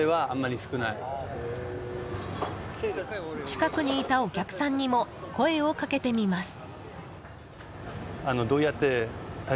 近くにいたお客さんにも声をかけてみます。